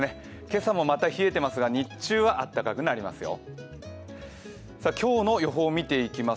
今朝もまた冷えてますが日中は暖かくなりますよ。